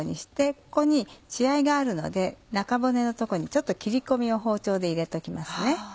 ここに血合いがあるので中骨のとこにちょっと切り込みを包丁で入れておきますね。